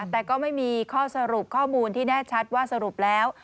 แต่ก็ไม่มีข้อสรุปข้อมูลที่แน่ชัดว่าสรุปแล้ว